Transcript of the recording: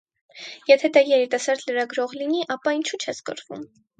Եթե դա երիտասարդ լրագրող լինի, ապա՝ ինչո՞ւ չես կռվում։